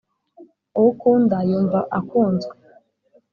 uwo ukunda yumva akunzwe